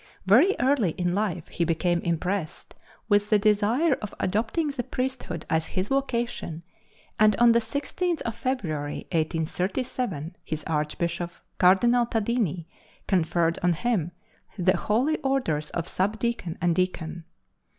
Very early in life he became impressed with the desire of adopting the priesthood as his vocation, and on the 16th of February, 1837, his Archbishop, Cardinal Tadini, conferred on him the holy orders of sub deacon and deacon.